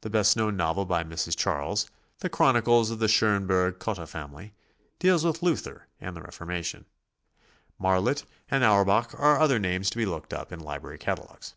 The best known novel by Mrs. Charles, "The Chronicles of the Schonberg Cotta Family," deals with Luther and the Reformation. Marlitt and Auerbach are other names to be looked up in library catalogues.